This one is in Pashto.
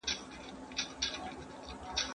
د بدولون کومه وړتيا نه وينو ځان کښې